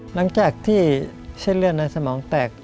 หลังจากที่เส้นเลือดในสมองแตก